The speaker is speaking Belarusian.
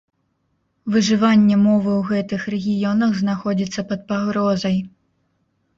Выжыванне мовы ў гэтых рэгіёнах знаходзіцца пад пагрозай.